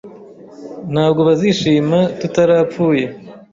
Ntabwo bazishima tutarapfuye